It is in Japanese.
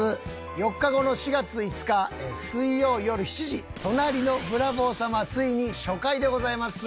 ４日後の４月５日水曜よる７時『隣のブラボー様』ついに初回でございます。